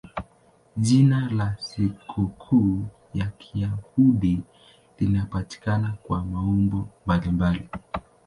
Jina la sikukuu ya Kiyahudi linapatikana kwa maumbo mbalimbali.